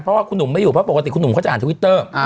เพราะว่าคุณหนุ่มไม่อยู่เพราะปกติคุณหนุ่มเขาจะอ่านทวิตเตอร์